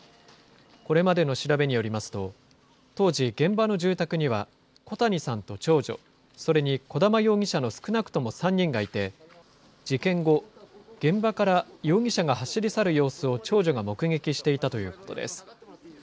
これまでの調べによりますと、当時、現場の住宅には、小谷さんと長女、それに児玉容疑者の少なくとも３人がいて、事件後、現場から容疑者が走り去る様子を長女が目撃していたということです。